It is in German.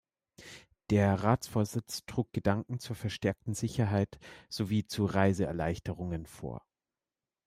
Der Ratsvorsitz trug Gedanken zur verstärkten Sicherheit sowie zu Reiseerleichterungen vor.